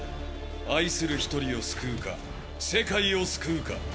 愛する１人を救うか、世界を救うか。